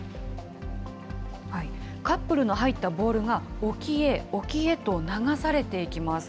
カップルの入ったボールが、沖へ、沖へと流されていきます。